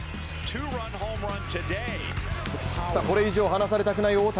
これ以上離されたくない大谷。